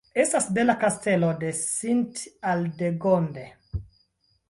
Estas bela kastelo de Sint-Aldegonde.